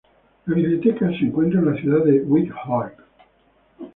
La biblioteca se encuentra en la ciudad de Windhoek.